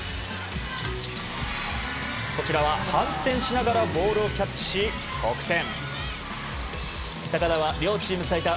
こちらは反転しながらボールをキャッチし得点。